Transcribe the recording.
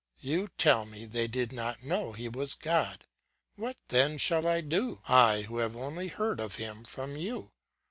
You tell me they did not know he was God. What then shall I do, I who have only heard of him from you?